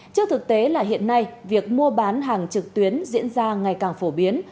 trước thực tế là hiện nay việc mua bán hàng trực tuyến diễn ra ngày càng phổ biến